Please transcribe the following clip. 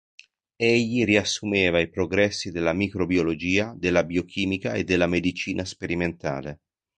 Egli riassumeva i progressi della microbiologia, della biochimica e della medicina sperimentale.